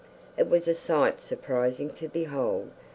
It was a sight surprising to behold.